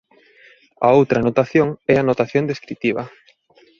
A outra notación é a notación descritiva.